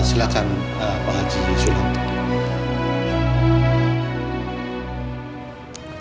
assalamu'alaikum warahmatullahi wabarakatuh